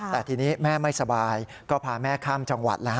แต่ทีนี้แม่ไม่สบายก็พาแม่ข้ามจังหวัดแล้ว